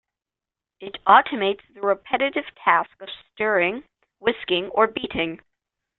It automates the repetitive tasks of stirring, whisking or beating.